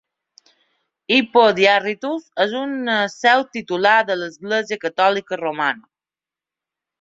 Hippo Diarrhytus és una seu titular de l'església catòlica romana.